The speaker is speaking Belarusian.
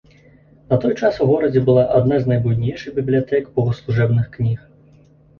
На той час у горадзе была адна з найбуйнейшых бібліятэк богаслужэбных кніг.